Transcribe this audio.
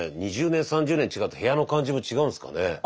２０年３０年違うと部屋の感じも違うんですかね？